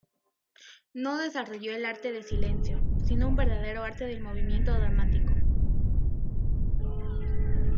No desarrolló el arte de silencio, sino un verdadero arte del movimiento dramático.